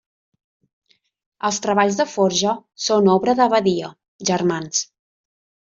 Els treballs de forja són obra de Badia, germans.